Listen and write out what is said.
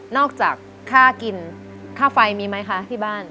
จากค่ากินค่าไฟมีไหมคะที่บ้าน